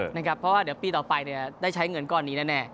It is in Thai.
เพราะว่าเดี๋ยวปีต่อไปได้ใช้เงินก้อนนี้แน่